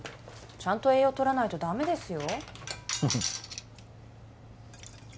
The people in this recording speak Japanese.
ちゃんと栄養とらないとダメですよ